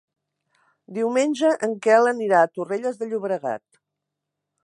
Diumenge en Quel anirà a Torrelles de Llobregat.